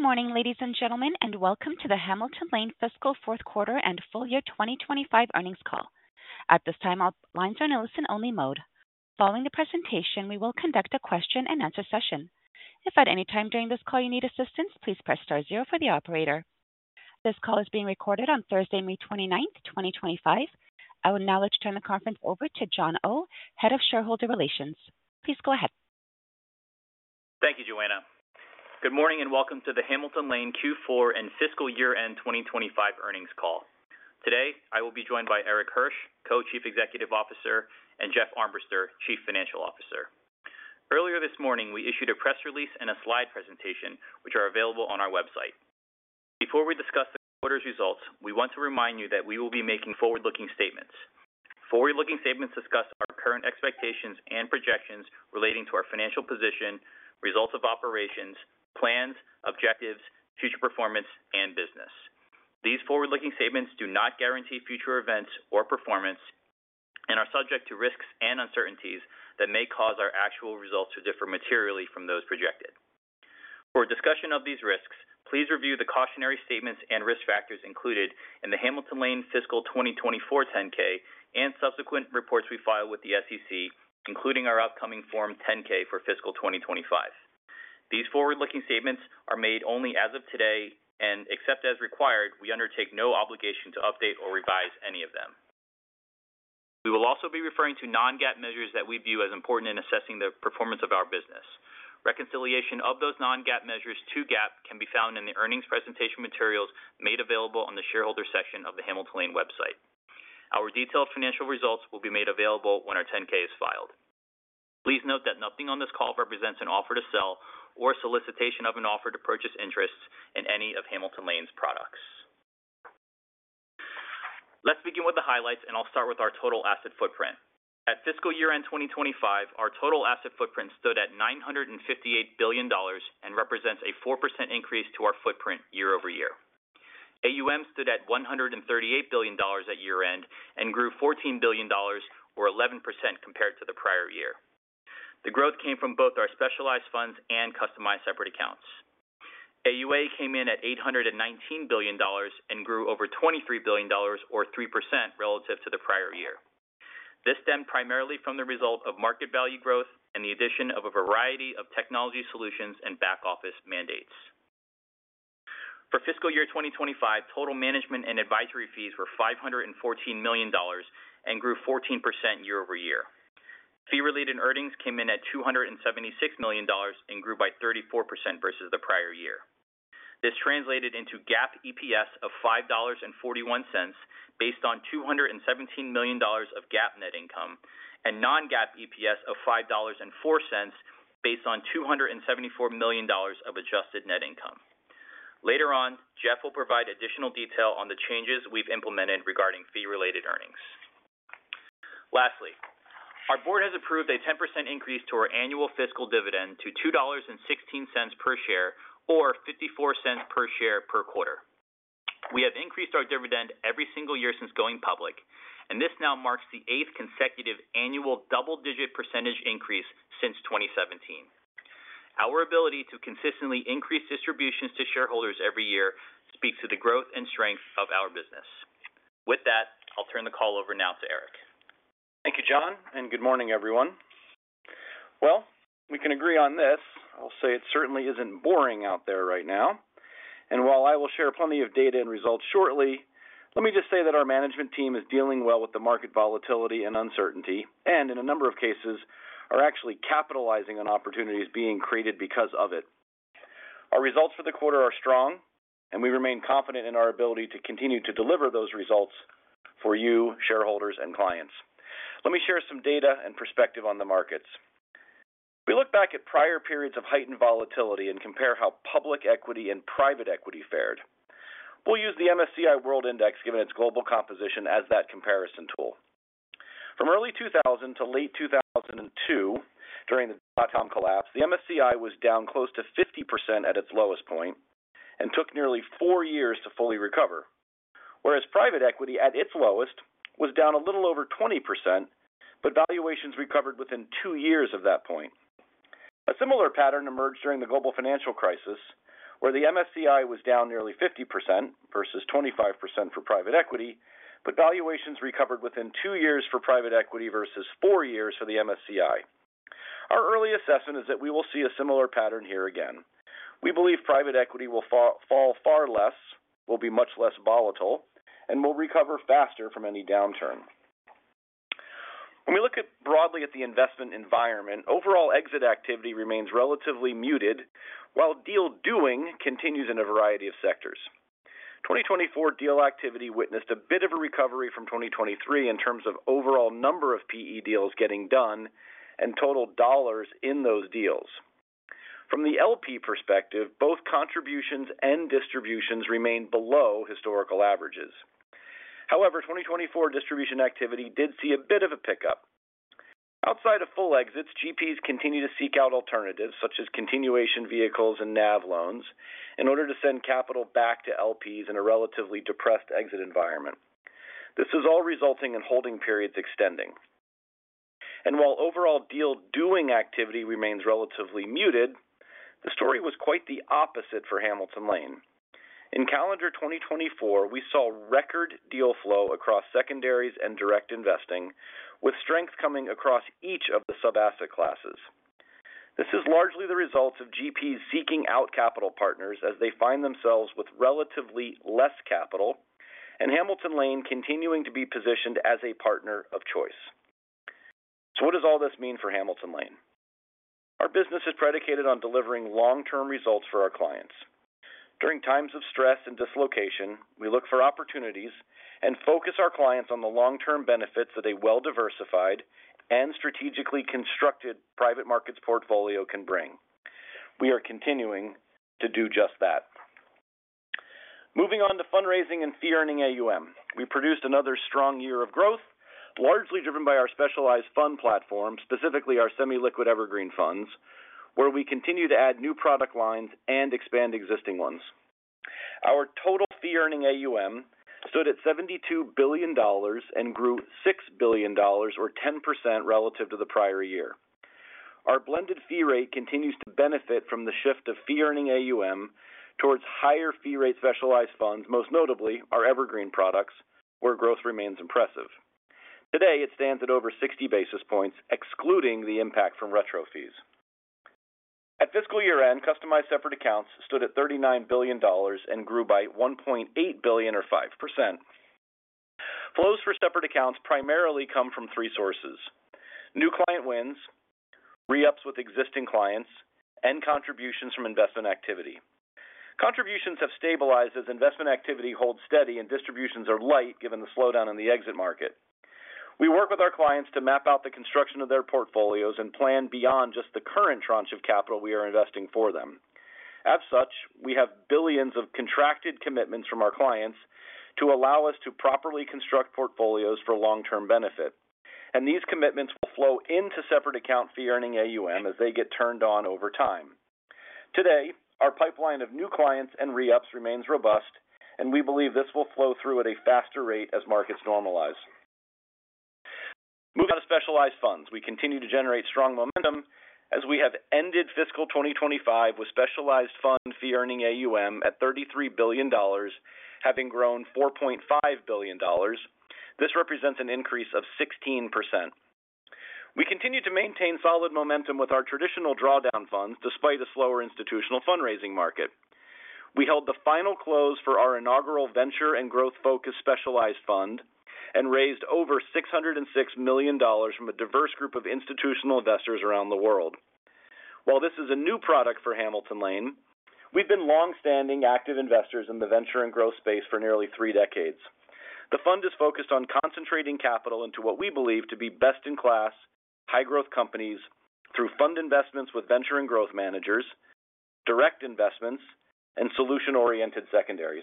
Good morning, ladies and gentlemen, and welcome to the Hamilton Lane Fiscal Fourth Quarter and Full Year 2025 Earnings Call. At this time, all lines are in a listen-only mode. Following the presentation, we will conduct a question-and-answer session. If at any time during this call you need assistance, please press star zero for the operator. This call is being recorded on Thursday, May 29th, 2025. I will now turn the conference over to John Oh, Head of Shareholder Relations. Please go ahead. Thank you, Joanna. Good morning and welcome to the Hamilton Lane Q4 and Fiscal Year End 2025 Earnings Call. Today, I will be joined by Eric Hirsch, Co-Chief Executive Officer, and Jeff Armbrister, Chief Financial Officer. Earlier this morning, we issued a press release and a slide presentation, which are available on our website. Before we discuss the quarter's results, we want to remind you that we will be making forward-looking statements. Forward-looking statements discuss our current expectations and projections relating to our financial position, results of operations, plans, objectives, future performance, and business. These forward-looking statements do not guarantee future events or performance and are subject to risks and uncertainties that may cause our actual results to differ materially from those projected. For discussion of these risks, please review the cautionary statements and risk factors included in the Hamilton Lane Fiscal 2024 10-K and subsequent reports we file with the SEC, including our upcoming Form 10-K for Fiscal 2025. These forward-looking statements are made only as of today, and except as required, we undertake no obligation to update or revise any of them. We will also be referring to non-GAAP measures that we view as important in assessing the performance of our business. Reconciliation of those non-GAAP measures to GAAP can be found in the earnings presentation materials made available on the shareholder section of the Hamilton Lane website. Our detailed financial results will be made available when our 10-K is filed. Please note that nothing on this call represents an offer to sell or solicitation of an offer to purchase interests in any of Hamilton Lane's products. Let's begin with the highlights, and I'll start with our total asset footprint. At fiscal year-end 2025, our total asset footprint stood at $958 billion and represents a 4% increase to our footprint year-over-year. AUM stood at $138 billion at year-end and grew $14 billion, or 11%, compared to the prior year. The growth came from both our specialized funds and customized separate accounts. AUA came in at $819 billion and grew over $23 billion, or 3%, relative to the prior year. This stemmed primarily from the result of market value growth and the addition of a variety of technology solutions and back-office mandates. For fiscal year 2025, total management and advisory fees were $514 million and grew 14% year-over-year. Fee-related earnings came in at $276 million and grew by 34% versus the prior year. This translated into GAAP EPS of $5.41 based on $217 million of GAAP net income and non-GAAP EPS of $5.04 based on $274 million of adjusted net income. Later on, Jeff will provide additional detail on the changes we've implemented regarding fee-related earnings. Lastly, our board has approved a 10% increase to our annual fiscal dividend to $2.16 per share, or $0.54 per share per quarter. We have increased our dividend every single year since going public, and this now marks the eighth consecutive annual double-digit percentage increase since 2017. Our ability to consistently increase distributions to shareholders every year speaks to the growth and strength of our business. With that, I'll turn the call over now to Eric. Thank you, John, and good morning, everyone. We can agree on this. I'll say it certainly isn't boring out there right now. While I will share plenty of data and results shortly, let me just say that our management team is dealing well with the market volatility and uncertainty and, in a number of cases, are actually capitalizing on opportunities being created because of it. Our results for the quarter are strong, and we remain confident in our ability to continue to deliver those results for you, shareholders and clients. Let me share some data and perspective on the markets. We look back at prior periods of heightened volatility and compare how public equity and private equity fared. We'll use the MSCI World Index, given its global composition, as that comparison tool. From early 2000 to late 2002, during the dot-com collapse, the MSCI was down close to 50% at its lowest point and took nearly four years to fully recover, whereas private equity, at its lowest, was down a little over 20%, but valuations recovered within two years of that point. A similar pattern emerged during the global financial crisis, where the MSCI was down nearly 50% versus 25% for private equity, but valuations recovered within two years for private equity versus four years for the MSCI. Our early assessment is that we will see a similar pattern here again. We believe private equity will fall far less, will be much less volatile, and will recover faster from any downturn. When we look broadly at the investment environment, overall exit activity remains relatively muted, while deal doing continues in a variety of sectors. 2024 deal activity witnessed a bit of a recovery from 2023 in terms of overall number of PE deals getting done and total dollars in those deals. From the LP perspective, both contributions and distributions remain below historical averages. However, 2024 distribution activity did see a bit of a pickup. Outside of full exits, GPs continue to seek out alternatives, such as continuation vehicles and NAV loans, in order to send capital back to LPs in a relatively depressed exit environment. This is all resulting in holding periods extending. While overall deal doing activity remains relatively muted, the story was quite the opposite for Hamilton Lane. In calendar 2024, we saw record deal flow across secondaries and direct investing, with strength coming across each of the sub-asset classes. This is largely the result of GPs seeking out capital partners as they find themselves with relatively less capital, and Hamilton Lane continuing to be positioned as a partner of choice. What does all this mean for Hamilton Lane? Our business is predicated on delivering long-term results for our clients. During times of stress and dislocation, we look for opportunities and focus our clients on the long-term benefits that a well-diversified and strategically constructed private markets portfolio can bring. We are continuing to do just that. Moving on to fundraising and fee-earning AUM, we produced another strong year of growth, largely driven by our specialized fund platform, specifically our semi-liquid Evergreen Funds, where we continue to add new product lines and expand existing ones. Our total fee-earning AUM stood at $72 billion and grew $6 billion, or 10%, relative to the prior year. Our blended fee rate continues to benefit from the shift of fee-earning AUM towards higher fee-rate specialized funds, most notably our Evergreen products, where growth remains impressive. Today, it stands at over 60 basis points, excluding the impact from retro fees. At fiscal year end, Customized Separate Accounts stood at $39 billion and grew by $1.8 billion, or 5%. Flows for separate accounts primarily come from three sources: new client wins, re-ups with existing clients, and contributions from investment activity. Contributions have stabilized as investment activity holds steady and distributions are light, given the slowdown in the exit market. We work with our clients to map out the construction of their portfolios and plan beyond just the current tranche of capital we are investing for them. As such, we have billions of contracted commitments from our clients to allow us to properly construct portfolios for long-term benefit. These commitments will flow into separate account fee-earning AUM as they get turned on over time. Today, our pipeline of new clients and re-ups remains robust, and we believe this will flow through at a faster rate as markets normalize. Moving on to specialized funds, we continue to generate strong momentum as we have ended fiscal 2025 with specialized fund fee-earning AUM at $33 billion, having grown $4.5 billion. This represents an increase of 16%. We continue to maintain solid momentum with our traditional drawdown funds, despite a slower institutional fundraising market. We held the final close for our inaugural venture and growth-focused specialized fund and raised over $606 million from a diverse group of institutional investors around the world. While this is a new product for Hamilton Lane, we've been long-standing active investors in the venture and growth space for nearly three decades. The fund is focused on concentrating capital into what we believe to be best-in-class, high-growth companies through fund investments with venture and growth managers, direct investments, and solution-oriented secondaries.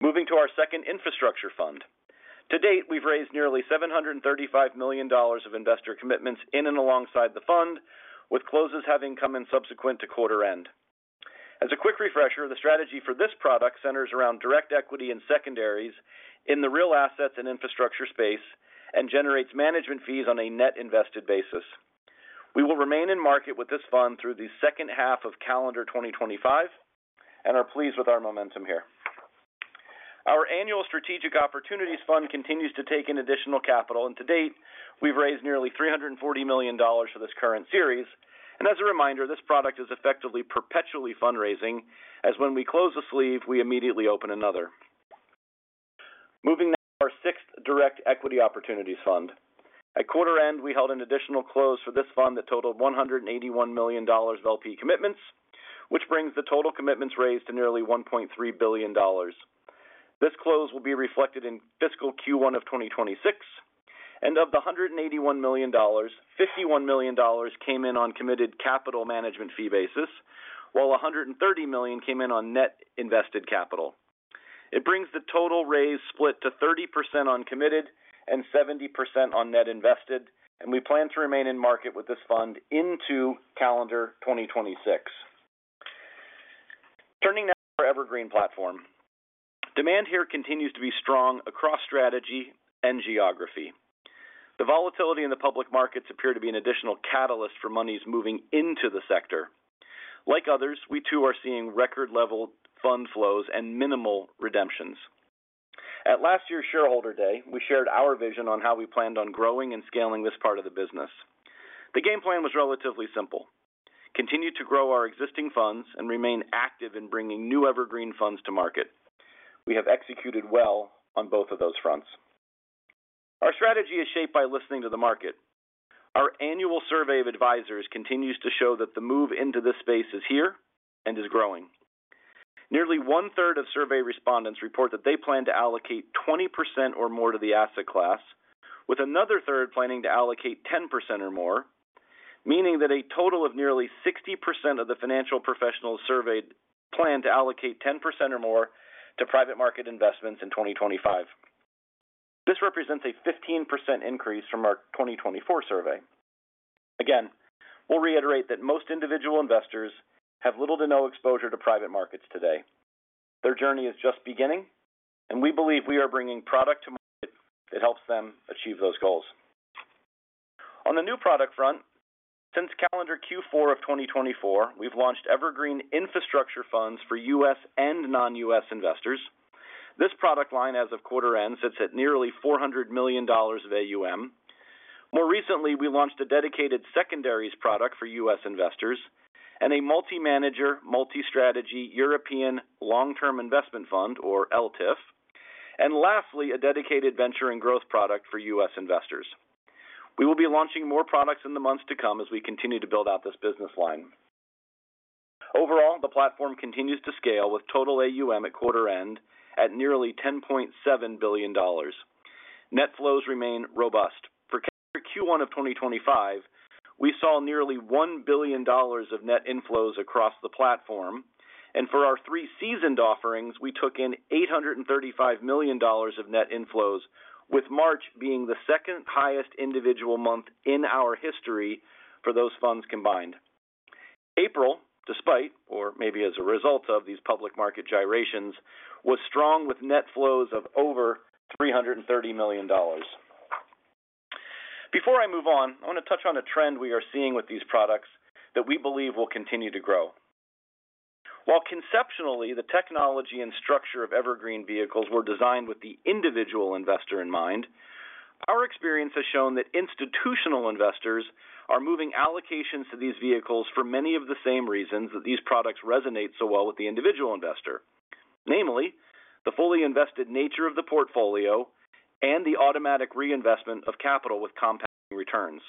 Moving to our second infrastructure fund. To date, we've raised nearly $735 million of investor commitments in and alongside the fund, with closes having come in subsequent to quarter end. As a quick refresher, the strategy for this product centers around direct equity and secondaries in the real assets and infrastructure space and generates management fees on a net-invested basis. We will remain in market with this fund through the second half of calendar 2025 and are pleased with our momentum here. Our annual Strategic Opportunities Fund continues to take in additional capital, and to date, we've raised nearly $340 million for this current series. As a reminder, this product is effectively perpetually fundraising, as when we close a sleeve, we immediately open another. Moving now to our sixth Direct Equity Opportunities Fund. At quarter end, we held an additional close for this fund that totaled $181 million of LP commitments, which brings the total commitments raised to nearly $1.3 billion. This close will be reflected in fiscal Q1 of 2026. Of the $181 million, $51 million came in on committed capital management fee basis, while $130 million came in on net-invested capital. It brings the total raise split to 30% on committed and 70% on net-invested, and we plan to remain in market with this fund into calendar 2026. Turning now to our Evergreen platform. Demand here continues to be strong across strategy and geography. The volatility in the public markets appears to be an additional catalyst for monies moving into the sector. Like others, we too are seeing record-level fund flows and minimal redemptions. At last year's shareholder day, we shared our vision on how we planned on growing and scaling this part of the business. The game plan was relatively simple: continue to grow our existing funds and remain active in bringing new Evergreen Funds to market. We have executed well on both of those fronts. Our strategy is shaped by listening to the market. Our annual survey of advisors continues to show that the move into this space is here and is growing. Nearly one-third of survey respondents report that they plan to allocate 20% or more to the asset class, with another third planning to allocate 10% or more, meaning that a total of nearly 60% of the financial professionals surveyed plan to allocate 10% or more to private market investments in 2025. This represents a 15% increase from our 2024 survey. Again, we'll reiterate that most individual investors have little to no exposure to private markets today. Their journey is just beginning, and we believe we are bringing product to market that helps them achieve those goals. On the new product front, since calendar Q4 of 2024, we've launched Evergreen infrastructure funds for U.S. and non-U.S. investors. This product line as of quarter end sits at nearly $400 million of AUM. More recently, we launched a dedicated secondaries product for U.S. investors and a multi-manager, multi-strategy European Long-Term Investment Fund, or LTIF. Lastly, a dedicated venture and growth product for U.S. investors. We will be launching more products in the months to come as we continue to build out this business line. Overall, the platform continues to scale with total AUM at quarter end at nearly $10.7 billion. Net flows remain robust. For calendar Q1 of 2025, we saw nearly $1 billion of net inflows across the platform. For our three seasoned offerings, we took in $835 million of net inflows, with March being the second highest individual month in our history for those funds combined. April, despite, or maybe as a result of, these public market gyrations, was strong with net flows of over $330 million. Before I move on, I want to touch on a trend we are seeing with these products that we believe will continue to grow. While conceptually the technology and structure of Evergreen vehicles were designed with the individual investor in mind, our experience has shown that institutional investors are moving allocations to these vehicles for many of the same reasons that these products resonate so well with the individual investor, namely the fully invested nature of the portfolio and the automatic reinvestment of capital with compounding returns.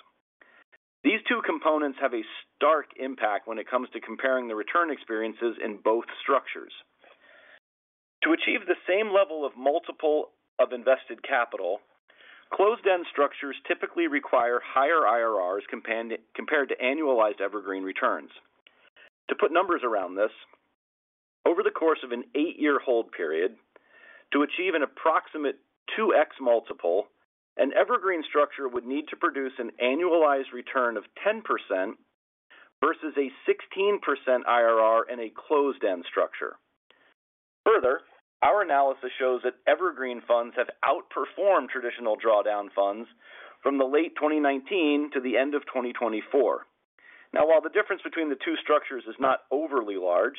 These two components have a stark impact when it comes to comparing the return experiences in both structures. To achieve the same level of multiple of invested capital, closed-end structures typically require higher IRRs compared to annualized Evergreen returns. To put numbers around this, over the course of an eight-year hold period, to achieve an approximate 2x multiple, an Evergreen structure would need to produce an annualized return of 10% versus a 16% IRR in a closed-end structure. Further, our analysis shows that Evergreen Funds have outperformed traditional drawdown funds from the late 2019 to the end of 2024. Now, while the difference between the two structures is not overly large,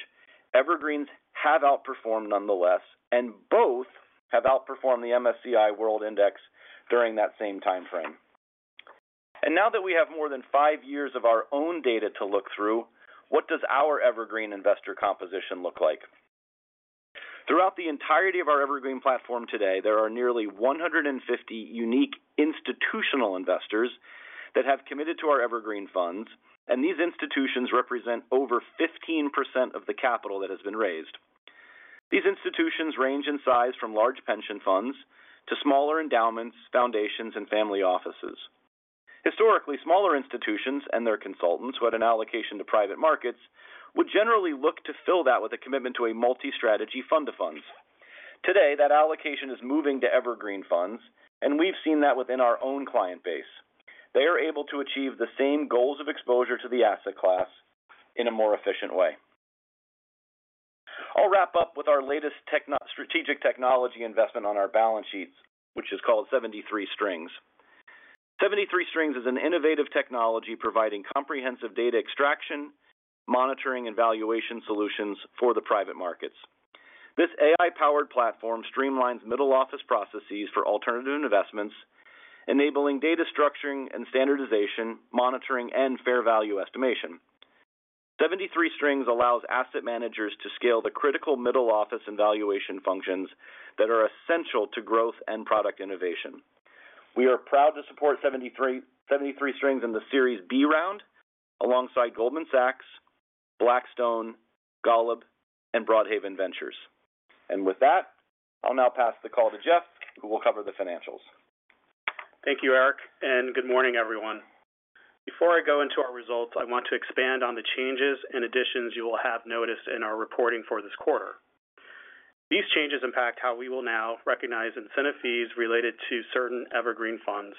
evergreens have outperformed nonetheless, and both have outperformed the MSCI World Index during that same timeframe. Now that we have more than five years of our own data to look through, what does our Evergreen Investor composition look like? Throughout the entirety of our Evergreen platform today, there are nearly 150 unique institutional investors that have committed to our Evergreen Funds, and these institutions represent over 15% of the capital that has been raised. These institutions range in size from large pension funds to smaller endowments, foundations, and family offices. Historically, smaller institutions and their consultants, who had an allocation to private markets, would generally look to fill that with a commitment to a multi-strategy fund of funds. Today, that allocation is moving to Evergreen Funds, and we've seen that within our own client base. They are able to achieve the same goals of exposure to the asset class in a more efficient way. I'll wrap up with our latest strategic technology investment on our balance sheets, which is called 73 Strings. 73 Strings is an innovative technology providing comprehensive data extraction, monitoring, and valuation solutions for the private markets. This AI-powered platform streamlines middle office processes for alternative investments, enabling data structuring and standardization, monitoring, and fair value estimation. 73 Strings allows asset managers to scale the critical middle office and valuation functions that are essential to growth and product innovation. We are proud to support 73 Strings in the Series B round alongside Goldman Sachs, Blackstone, Golub Capital, and Broadhaven Ventures. With that, I'll now pass the call to Jeff, who will cover the financials. Thank you, Eric, and good morning, everyone. Before I go into our results, I want to expand on the changes and additions you will have noticed in our reporting for this quarter. These changes impact how we will now recognize incentive fees related to certain Evergreen Funds,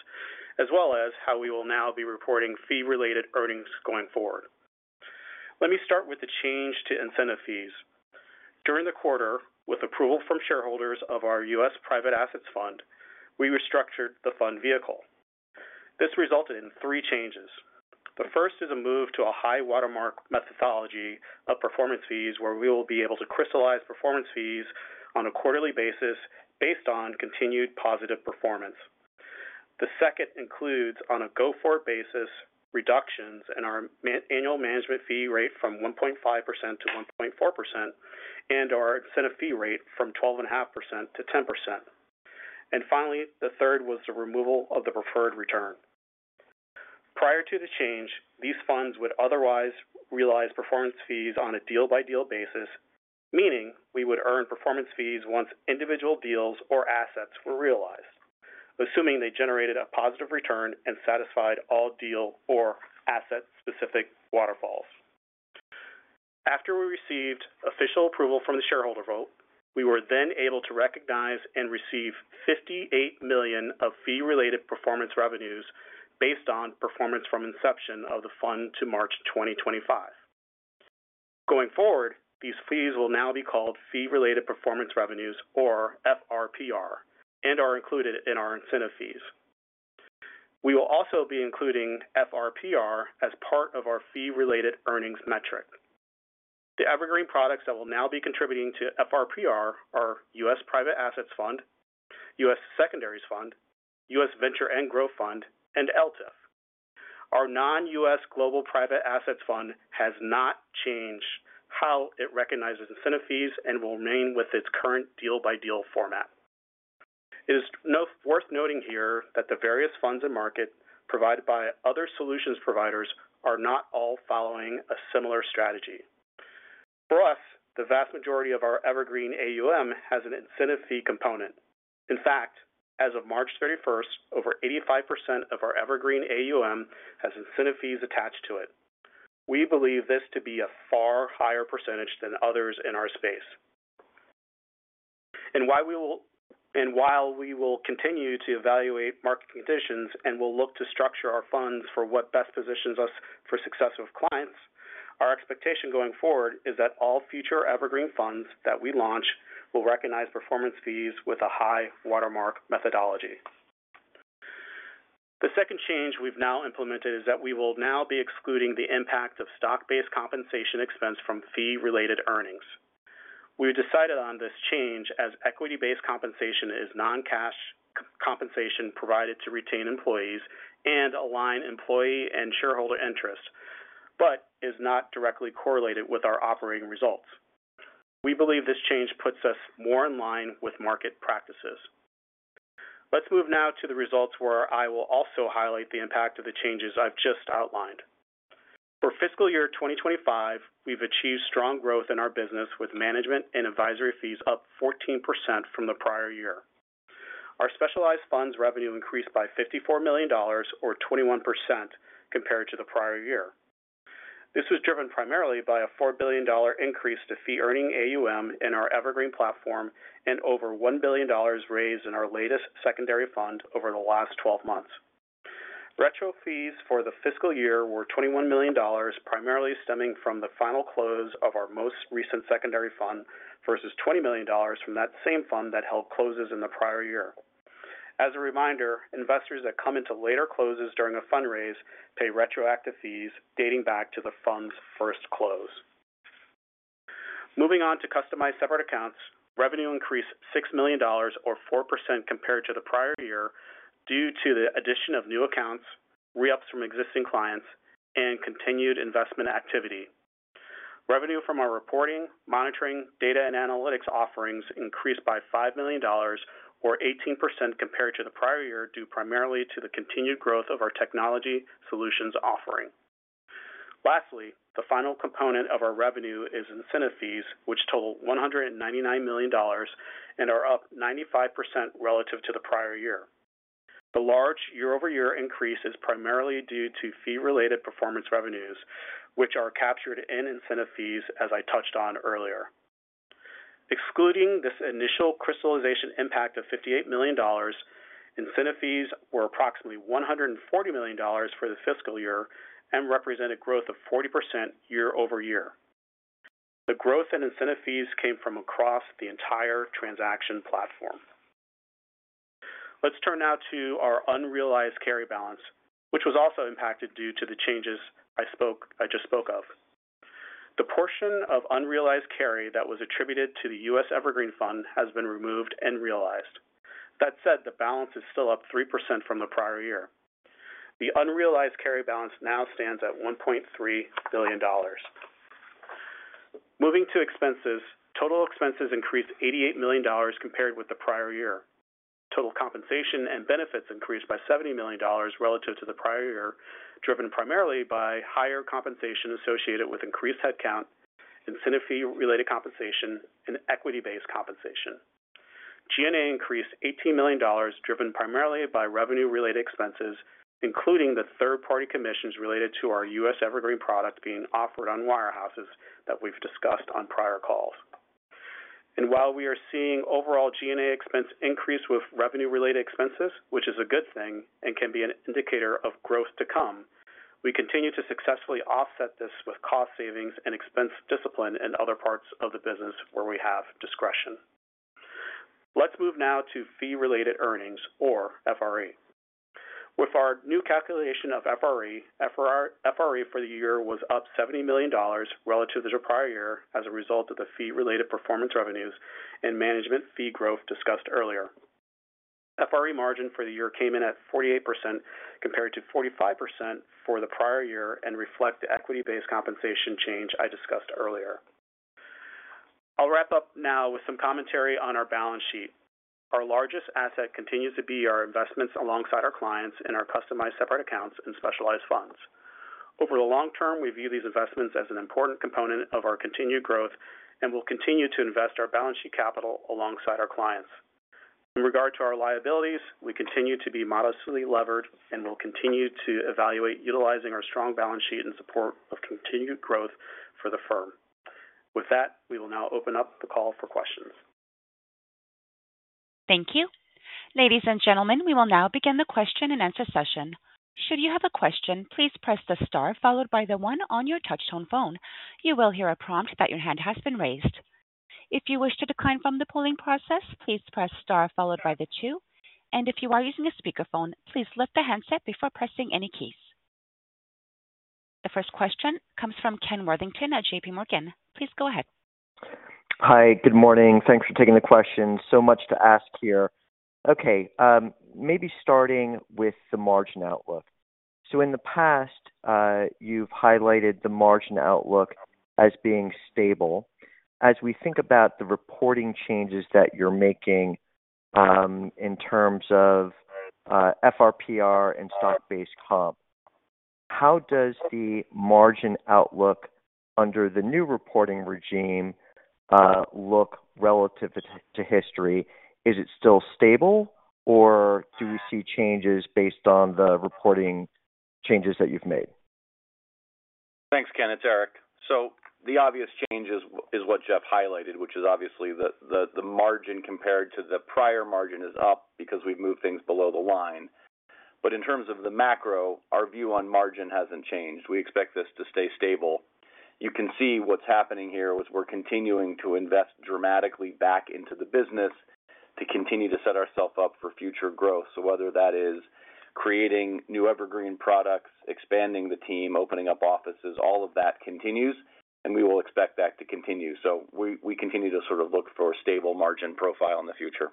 as well as how we will now be reporting fee-related earnings going forward. Let me start with the change to incentive fees. During the quarter, with approval from shareholders of our U.S. Private Assets Fund, we restructured the fund vehicle. This resulted in three changes. The first is a move to a high watermark methodology of performance fees, where we will be able to crystallize performance fees on a quarterly basis based on continued positive performance. The second includes, on a go-forward basis, reductions in our annual management fee rate from 1.5%-1.4% and our incentive fee rate from 12.5%-10%. Finally, the third was the removal of the preferred return. Prior to the change, these funds would otherwise realize performance fees on a deal-by-deal basis, meaning we would earn performance fees once individual deals or assets were realized, assuming they generated a positive return and satisfied all deal or asset-specific waterfalls. After we received official approval from the shareholder vote, we were then able to recognize and receive $58 million of fee-related performance revenues based on performance from inception of the fund to March 2025. Going forward, these fees will now be called fee-related performance revenues, or FRPR, and are included in our incentive fees. We will also be including FRPR as part of our fee-related earnings metric. The Evergreen products that will now be contributing to FRPR are U.S. Private Assets Fund, U.S. Secondaries Fund, U.S. Venture and Growth Fund, and LTIF. Our non-U.S. Global Private Assets Fund has not changed how it recognizes incentive fees and will remain with its current deal-by-deal format. It is worth noting here that the various funds in market provided by other solutions providers are not all following a similar strategy. For us, the vast majority of our Evergreen AUM has an incentive fee component. In fact, as of March 31st, over 85% of our evergreen AUM has incentive fees attached to it. We believe this to be a far higher percentage than others in our space. While we will continue to evaluate market conditions and will look to structure our funds for what best positions us for success with clients, our expectation going forward is that all future Evergreen Funds that we launch will recognize performance fees with a high watermark methodology. The second change we have now implemented is that we will now be excluding the impact of stock-based compensation expense from fee-related earnings. We decided on this change as equity-based compensation is non-cash compensation provided to retain employees and align employee and shareholder interests, but is not directly correlated with our operating results. We believe this change puts us more in line with market practices. Let's move now to the results where I will also highlight the impact of the changes I have just outlined. For fiscal year 2025, we've achieved strong growth in our business with management and advisory fees up 14% from the prior year. Our specialized funds revenue increased by $54 million, or 21%, compared to the prior year. This was driven primarily by a $4 billion increase to fee-earning AUM in our Evergreen platform and over $1 billion raised in our latest Secondary Fund over the last 12 months. Retro fees for the fiscal year were $21 million, primarily stemming from the final close of our most recent Secondary Fund versus $20 million from that same fund that held closes in the prior year. As a reminder, investors that come into later closes during a fundraise pay retroactive fees dating back to the fund's first close. Moving on to customized separate accounts, revenue increased $6 million, or 4%, compared to the prior year due to the addition of new accounts, re-ups from existing clients, and continued investment activity. Revenue from our reporting, monitoring, data, and analytics offerings increased by $5 million, or 18%, compared to the prior year due primarily to the continued growth of our technology solutions offering. Lastly, the final component of our revenue is incentive fees, which total $199 million and are up 95% relative to the prior year. The large year-over-year increase is primarily due to fee-related performance revenues, which are captured in incentive fees, as I touched on earlier. Excluding this initial crystallization impact of $58 million, incentive fees were approximately $140 million for the fiscal year and represented growth of 40% year-over-year. The growth in incentive fees came from across the entire transaction platform. Let's turn now to our unrealized carry balance, which was also impacted due to the changes I just spoke of. The portion of unrealized carry that was attributed to the U.S. Evergreen Fund has been removed and realized. That said, the balance is still up 3% from the prior year. The unrealized carry balance now stands at $1.3 billion. Moving to expenses, total expenses increased $88 million compared with the prior year. Total compensation and benefits increased by $70 million relative to the prior year, driven primarily by higher compensation associated with increased headcount, incentive fee-related compensation, and equity-based compensation. G&A increased $18 million, driven primarily by revenue-related expenses, including the third-party commissions related to our U.S. Evergreen product being offered on wirehouses that we've discussed on prior calls. While we are seeing overall G&A expense increase with revenue-related expenses, which is a good thing and can be an indicator of growth to come, we continue to successfully offset this with cost savings and expense discipline in other parts of the business where we have discretion. Let's move now to fee-related earnings, or FRE. With our new calculation of FRE, FRE for the year was up $70 million relative to the prior year as a result of the fee-related performance revenues and management fee growth discussed earlier. FRE margin for the year came in at 48% compared to 45% for the prior year and reflect the equity-based compensation change I discussed earlier. I'll wrap up now with some commentary on our balance sheet. Our largest asset continues to be our investments alongside our clients in our customized separate accounts and specialized funds. Over the long term, we view these investments as an important component of our continued growth and will continue to invest our balance sheet capital alongside our clients. In regard to our liabilities, we continue to be modestly levered and will continue to evaluate utilizing our strong balance sheet in support of continued growth for the firm. With that, we will now open up the call for questions. Thank you. Ladies and gentlemen, we will now begin the question and answer session. Should you have a question, please press the star followed by the one on your touchtone phone. You will hear a prompt that your hand has been raised. If you wish to decline from the polling process, please press star followed by the two. If you are using a speakerphone, please lift the handset before pressing any keys. The first question comes from Ken Worthington at JPMorgan. Please go ahead. Hi, good morning. Thanks for taking the question. So much to ask here. Okay, maybe starting with the margin outlook. In the past, you've highlighted the margin outlook as being stable. As we think about the reporting changes that you're making in terms of FRPR and stock-based comp, how does the margin outlook under the new reporting regime look relative to history? Is it still stable, or do we see changes based on the reporting changes that you've made? Thanks, Ken, Eric. The obvious change is what Jeff highlighted, which is obviously the margin compared to the prior margin is up because we've moved things below the line. In terms of the macro, our view on margin hasn't changed. We expect this to stay stable. You can see what's happening here is we're continuing to invest dramatically back into the business to continue to set ourself up for future growth. Whether that is creating new Evergreen products, expanding the team, opening up offices, all of that continues, and we will expect that to continue. We continue to sort of look for a stable margin profile in the future.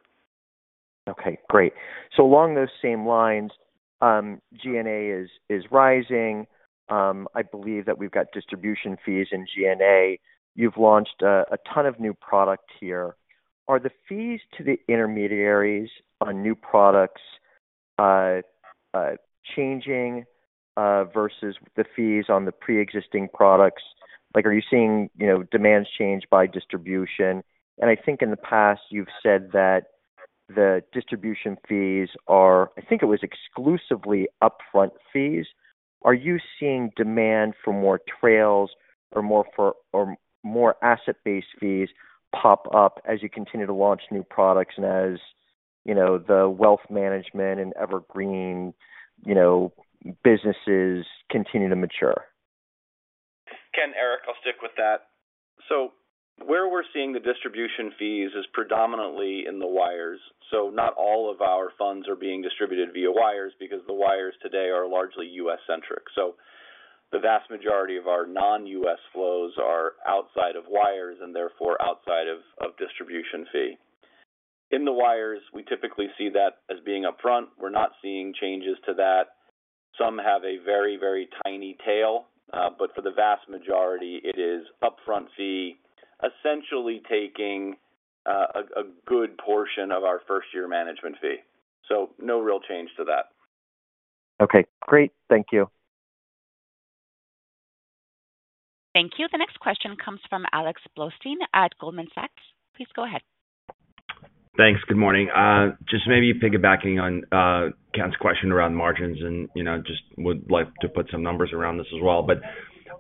Okay, great. Along those same lines, G&A is rising. I believe that we've got distribution fees in G&A. You've launched a ton of new product here. Are the fees to the intermediaries on new products changing versus the fees on the pre-existing products? Are you seeing demands change by distribution? I think in the past, you've said that the distribution fees are, I think it was exclusively upfront fees. Are you seeing demand for more trails or more asset-based fees pop up as you continue to launch new products and as the wealth management and Evergreen businesses continue to mature? Ken, Eric, I'll stick with that. Where we're seeing the distribution fees is predominantly in the wires. Not all of our funds are being distributed via wires because the wires today are largely U.S.-centric. The vast majority of our non-U.S. flows are outside of wires and therefore outside of distribution fee. In the wires, we typically see that as being upfront. We're not seeing changes to that. Some have a very, very tiny tail, but for the vast majority, it is upfront fee, essentially taking a good portion of our first-year management fee. No real change to that. Okay, great. Thank you. Thank you. The next question comes from Alex Blostein at Goldman Sachs. Please go ahead. Thanks. Good morning. Just maybe piggybacking on Ken's question around margins and just would like to put some numbers around this as well.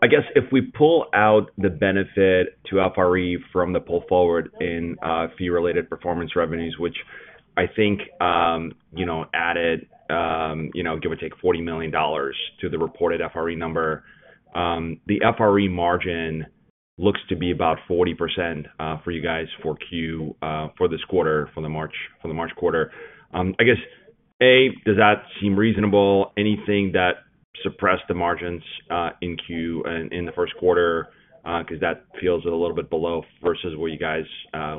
I guess if we pull out the benefit to FRE from the pull forward in fee-related performance revenues, which I think added, give or take, $40 million to the reported FRE number, the FRE margin looks to be about 40% for you guys for Q4, for this quarter, for the March quarter. I guess, A, does that seem reasonable? Anything that suppressed the margins in Q1, in the first quarter, because that feels a little bit below versus what you guys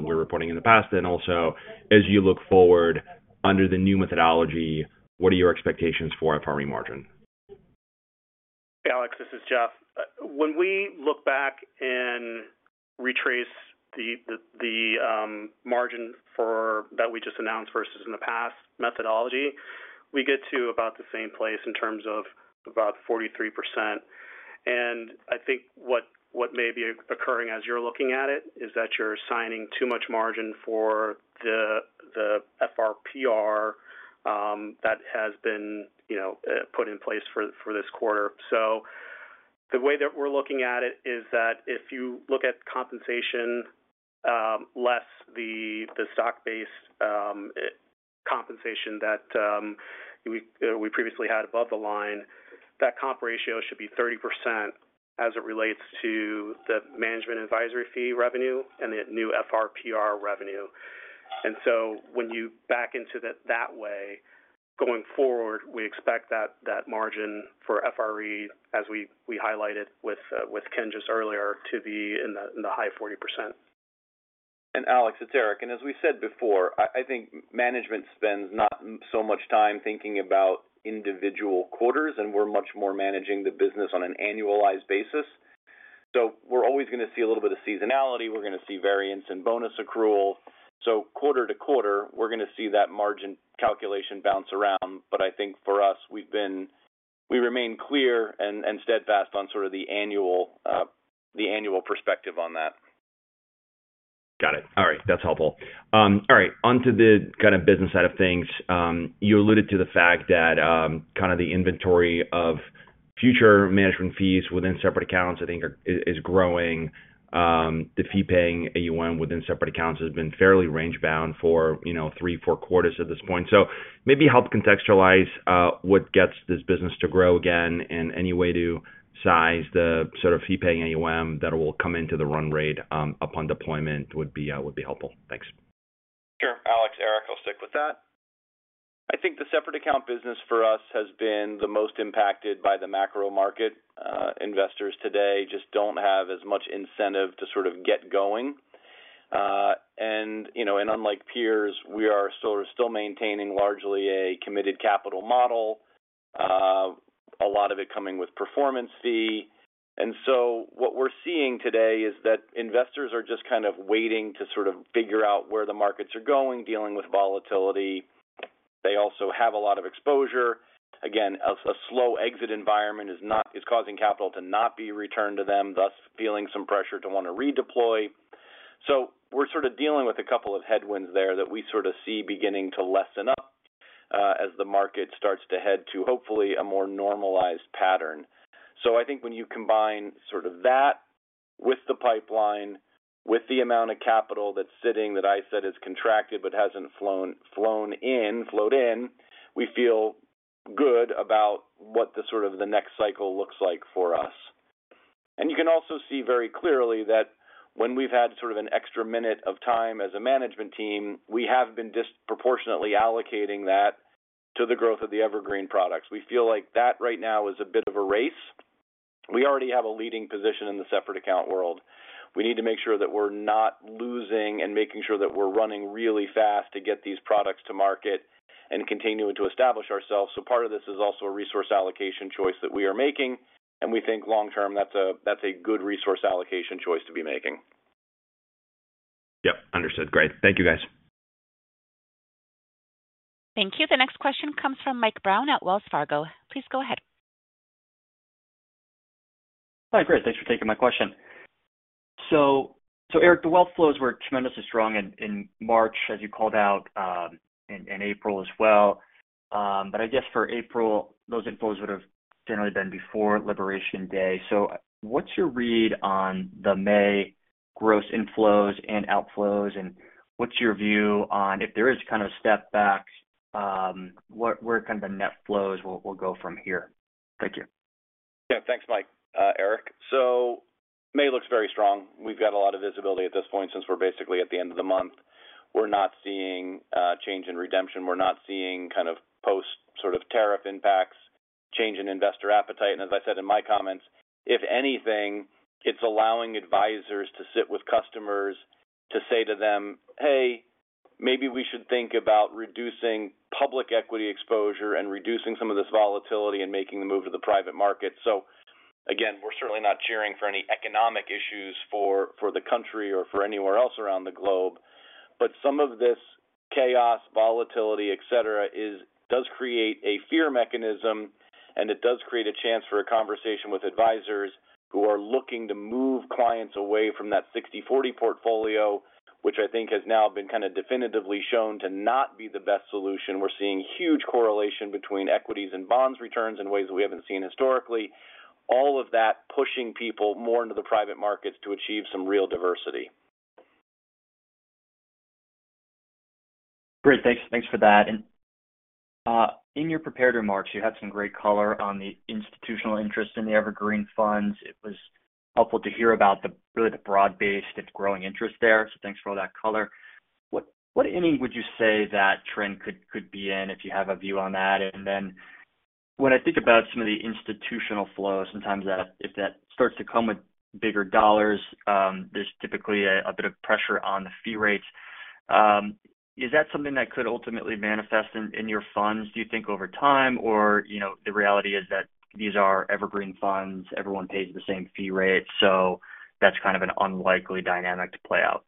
were reporting in the past? Also, as you look forward under the new methodology, what are your expectations for FRE margin? Hey, Alex, this is Jeff. When we look back and retrace the margin that we just announced versus in the past methodology, we get to about the same place in terms of about 43%. I think what may be occurring as you're looking at it is that you're assigning too much margin for the FRPR that has been put in place for this quarter. The way that we're looking at it is that if you look at compensation less the stock-based compensation that we previously had above the line, that comp ratio should be 30% as it relates to the management advisory fee revenue and the new FRPR revenue. When you back into that way, going forward, we expect that margin for FRE, as we highlighted with Ken just earlier, to be in the high 40%. Alex, it's Eric. As we said before, I think management spends not so much time thinking about individual quarters, and we're much more managing the business on an annualized basis. We're always going to see a little bit of seasonality. We're going to see variance in bonus accrual. Quarter to quarter, we're going to see that margin calculation bounce around. I think for us, we remain clear and steadfast on sort of the annual perspective on that. Got it. All right. That's helpful. All right. Onto the kind of business side of things. You alluded to the fact that kind of the inventory of future management fees within separate accounts, I think, is growing. The fee-paying AUM within separate accounts has been fairly range-bound for three, four quarters at this point. Maybe help contextualize what gets this business to grow again and any way to size the sort of fee-paying AUM that will come into the run rate upon deployment would be helpful. Thanks. Sure. Alex, Eric, I'll stick with that. I think the separate account business for us has been the most impacted by the macro market. Investors today just do not have as much incentive to sort of get going. Unlike peers, we are still maintaining largely a committed capital model, a lot of it coming with performance fee. What we are seeing today is that investors are just kind of waiting to sort of figure out where the markets are going, dealing with volatility. They also have a lot of exposure. Again, a slow exit environment is causing capital to not be returned to them, thus feeling some pressure to want to redeploy. We're sort of dealing with a couple of headwinds there that we sort of see beginning to lessen up as the market starts to head to, hopefully, a more normalized pattern. I think when you combine sort of that with the pipeline, with the amount of capital that's sitting that I said is contracted but hasn't flown in, we feel good about what the sort of the next cycle looks like for us. You can also see very clearly that when we've had sort of an extra minute of time as a management team, we have been disproportionately allocating that to the growth of the Evergreen products. We feel like that right now is a bit of a race. We already have a leading position in the separate account world. We need to make sure that we're not losing and making sure that we're running really fast to get these products to market and continue to establish ourselves. Part of this is also a resource allocation choice that we are making. We think long-term, that's a good resource allocation choice to be making. Yep. Understood. Great. Thank you, guys. Thank you. The next question comes from Mike Brown at Wells Fargo. Please go ahead. Hi, Chris. Thanks for taking my question. Eric, the wealth flows were tremendously strong in March, as you called out, and April as well. I guess for April, those inflows would have generally been before Liberation Day. What's your read on the May gross inflows and outflows? What's your view on if there is kind of a step back, where kind of the net flows will go from here? Thank you. Yeah. Thanks, Mike, Eric. May looks very strong. We have a lot of visibility at this point since we are basically at the end of the month. We are not seeing a change in redemption. We are not seeing kind of post sort of tariff impacts, change in investor appetite. As I said in my comments, if anything, it is allowing advisors to sit with customers to say to them, "Hey, maybe we should think about reducing public equity exposure and reducing some of this volatility and making the move to the private market." Again, we are certainly not cheering for any economic issues for the country or for anywhere else around the globe. Some of this chaos, volatility, etc., does create a fear mechanism, and it does create a chance for a conversation with advisors who are looking to move clients away from that 60/40 portfolio, which I think has now been kind of definitively shown to not be the best solution. We're seeing huge correlation between equities and bonds returns in ways that we haven't seen historically, all of that pushing people more into the private markets to achieve some real diversity. Great. Thanks for that. In your prepared remarks, you had some great color on the institutional interest in the Evergreen Funds. It was helpful to hear about really the broad-based and growing interest there. Thanks for all that color. What, if any, would you say that trend could be in if you have a view on that? When I think about some of the institutional flows, sometimes if that starts to come with bigger dollars, there's typically a bit of pressure on the fee rates. Is that something that could ultimately manifest in your funds, do you think, over time? The reality is that these are Evergreen Funds. Everyone pays the same fee rate. That's kind of an unlikely dynamic to play out.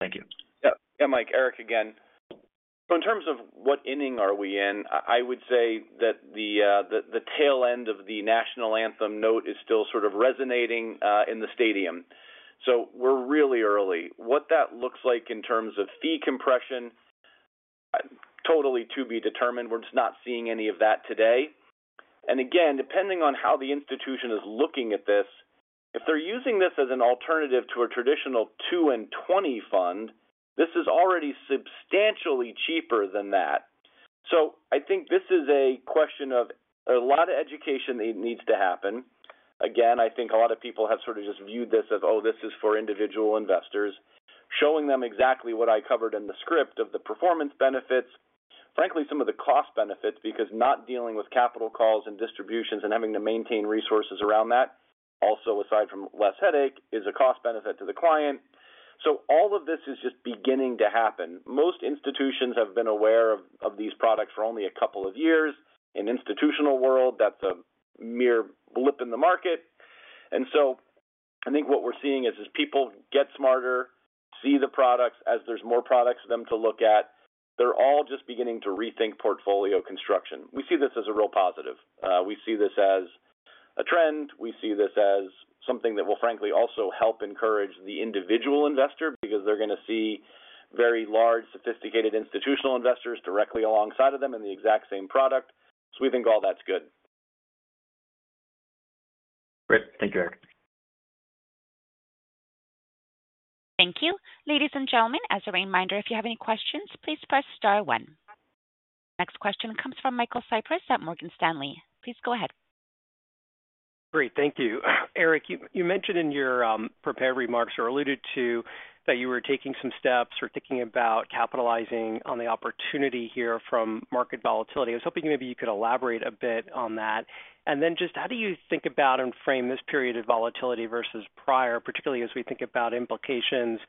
Thank you. Yeah. Yeah, Mike, Eric again. In terms of what inning are we in, I would say that the tail end of the national anthem note is still sort of resonating in the stadium. We're really early. What that looks like in terms of fee compression, totally to be determined. We're just not seeing any of that today. Again, depending on how the institution is looking at this, if they're using this as an alternative to a traditional two and 20 fund, this is already substantially cheaper than that. I think this is a question of a lot of education that needs to happen. Again, I think a lot of people have sort of just viewed this as, "Oh, this is for individual investors." Showing them exactly what I covered in the script of the performance benefits, frankly, some of the cost benefits because not dealing with capital calls and distributions and having to maintain resources around that, also aside from less headache, is a cost benefit to the client. All of this is just beginning to happen. Most institutions have been aware of these products for only a couple of years. In the institutional world, that's a mere blip in the market. I think what we're seeing is people get smarter, see the products as there's more products for them to look at. They're all just beginning to rethink portfolio construction. We see this as a real positive. We see this as a trend. We see this as something that will, frankly, also help encourage the individual investor because they're going to see very large, sophisticated institutional investors directly alongside of them in the exact same product. We think all that's good. Great. Thank you, Eric. Thank you. Ladies and gentlemen, as a reminder, if you have any questions, please press star one. Next question comes from Michael Cyprys at Morgan Stanley. Please go ahead. Great. Thank you. Eric, you mentioned in your prepared remarks or alluded to that you were taking some steps or thinking about capitalizing on the opportunity here from market volatility. I was hoping maybe you could elaborate a bit on that. And then just how do you think about and frame this period of volatility versus prior, particularly as we think about implications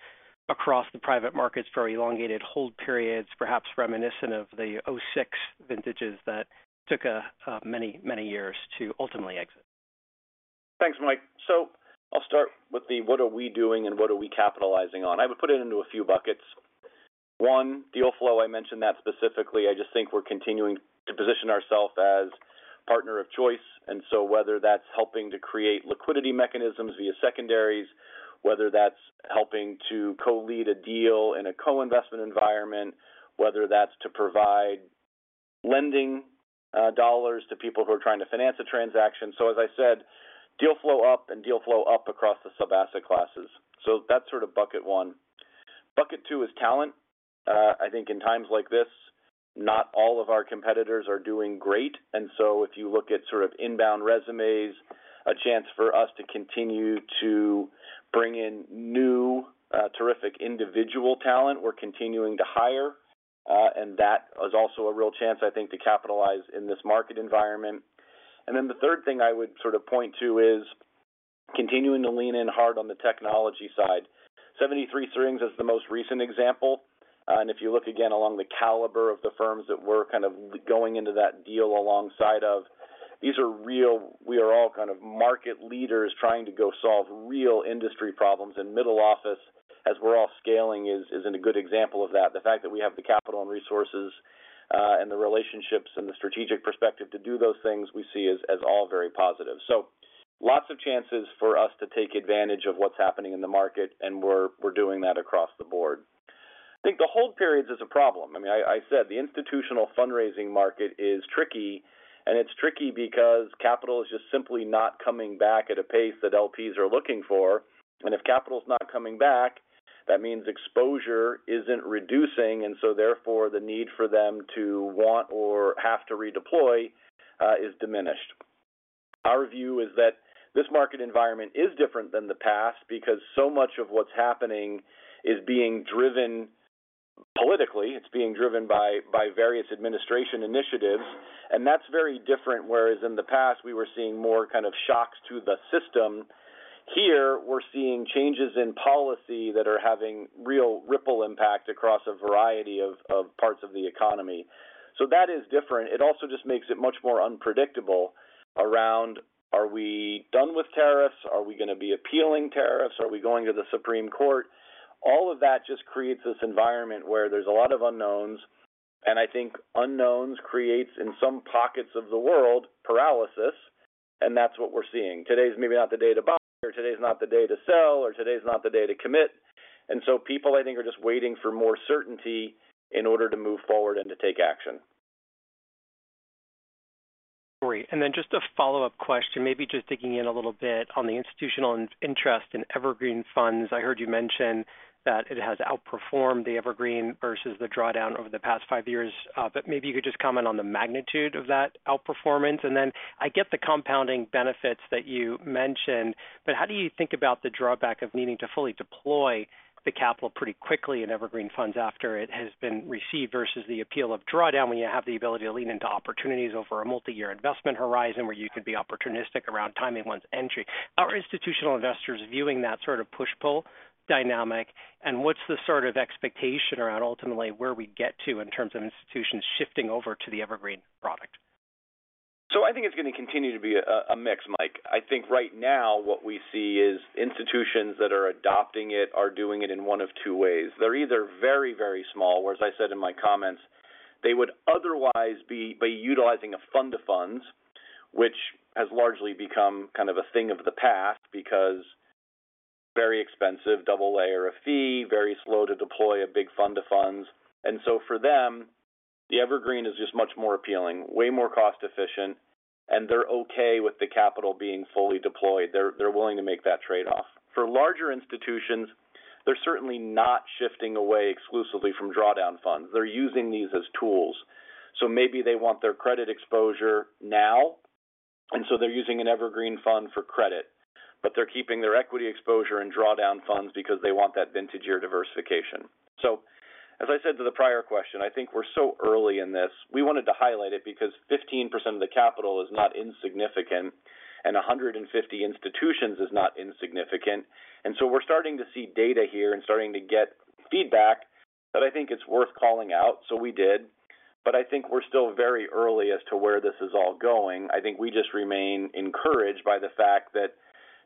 across the private markets for elongated hold periods, perhaps reminiscent of the 2006 vintages that took many, many years to ultimately exit? Thanks, Mike. I will start with the what are we doing and what are we capitalizing on. I would put it into a few buckets. One, the old flow, I mentioned that specifically. I just think we are continuing to position ourself as partner of choice. And so whether that is helping to create liquidity mechanisms via secondaries, whether that is helping to co-lead a deal in a co-investment environment, whether that is to provide lending dollars to people who are trying to finance a transaction. As I said, deal flow up and deal flow up across the subasset classes. That is sort of bucket one. Bucket two is talent. I think in times like this, not all of our competitors are doing great. If you look at sort of inbound resumes, a chance for us to continue to bring in new terrific individual talent, we are continuing to hire. That is also a real chance, I think, to capitalize in this market environment. The third thing I would sort of point to is continuing to lean in hard on the technology side. 73 Strings is the most recent example. If you look again along the caliber of the firms that we are kind of going into that deal alongside of, these are real, we are all kind of market leaders trying to go solve real industry problems. Middle Office, as we're all scaling, is a good example of that. The fact that we have the capital and resources and the relationships and the strategic perspective to do those things, we see as all very positive. Lots of chances for us to take advantage of what's happening in the market, and we're doing that across the board. I think the hold periods is a problem. I mean, I said the institutional fundraising market is tricky. It's tricky because capital is just simply not coming back at a pace that LPs are looking for. If capital's not coming back, that means exposure isn't reducing. Therefore, the need for them to want or have to redeploy is diminished. Our view is that this market environment is different than the past because so much of what's happening is being driven politically. It's being driven by various administration initiatives. That is very different. Whereas in the past, we were seeing more kind of shocks to the system, here, we're seeing changes in policy that are having real ripple impact across a variety of parts of the economy. That is different. It also just makes it much more unpredictable around, are we done with tariffs? Are we going to be appealing tariffs? Are we going to the Supreme Court? All of that just creates this environment where there's a lot of unknowns. I think unknowns create in some pockets of the world paralysis. That is what we're seeing. Today's maybe not the day to buy, or today's not the day to sell, or today's not the day to commit. People, I think, are just waiting for more certainty in order to move forward and to take action. Great. Just a follow-up question, maybe just digging in a little bit on the institutional interest in Evergreen Funds. I heard you mention that it has outperformed the Evergreen versus the drawdown over the past five years. Maybe you could just comment on the magnitude of that outperformance. I get the compounding benefits that you mentioned, but how do you think about the drawback of needing to fully deploy the capital pretty quickly in Evergreen Funds after it has been received versus the appeal of drawdown when you have the ability to lean into opportunities over a multi-year investment horizon where you can be opportunistic around timing one's entry? How are institutional investors viewing that sort of push-pull dynamic? What's the sort of expectation around ultimately where we get to in terms of institutions shifting over to the Evergreen product? I think it's going to continue to be a mix, Mike. I think right now what we see is institutions that are adopting it are doing it in one of two ways. They're either very, very small, where as I said in my comments, they would otherwise be utilizing a fund-of-funds, which has largely become kind of a thing of the past because very expensive, double layer of fee, very slow to deploy a big fund-of-funds. For them, the Evergreen is just much more appealing, way more cost-efficient, and they're okay with the capital being fully deployed. They're willing to make that trade-off. For larger institutions, they're certainly not shifting away exclusively from drawdown funds. They're using these as tools. Maybe they want their credit exposure now. They're using an Evergreen Fund for credit, but they're keeping their equity exposure in drawdown funds because they want that vintage year diversification. As I said to the prior question, I think we're so early in this. We wanted to highlight it because 15% of the capital is not insignificant, and 150 institutions is not insignificant. We're starting to see data here and starting to get feedback that I think it's worth calling out. We did. I think we're still very early as to where this is all going. I think we just remain encouraged by the fact that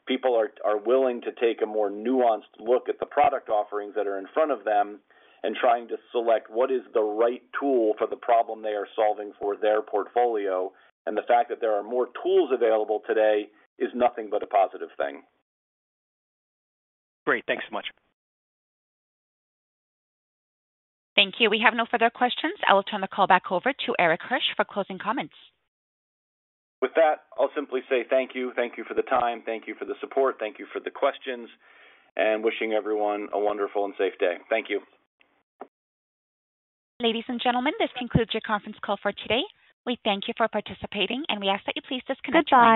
people are willing to take a more nuanced look at the product offerings that are in front of them and trying to select what is the right tool for the problem they are solving for their portfolio. The fact that there are more tools available today is nothing but a positive thing. Great. Thanks so much. Thank you. We have no further questions. I will turn the call back over to Erik Hirsch for closing comments. With that, I'll simply say thank you. Thank you for the time. Thank you for the support. Thank you for the questions. Wishing everyone a wonderful and safe day. Thank you. Ladies and gentlemen, this concludes your conference call for today. We thank you for participating, and we ask that you please disconnect from the call.